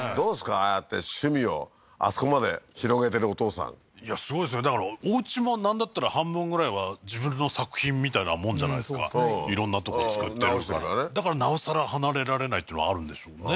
ああやって趣味をあそこまで広げてるお父さんいやすごいですねだからおうちもなんだったら半分ぐらいは自分の作品みたいなもんじゃないですか色んなとこ造って直してるからねだからなおさら離れられないっていうのはあるんでしょうね